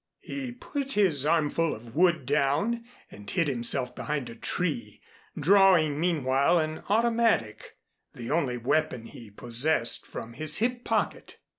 He put his armful of wood down and hid himself behind a tree, drawing meanwhile an automatic, the only weapon he possessed, from his hip pocket.